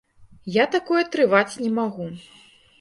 Я такое трываць не магу.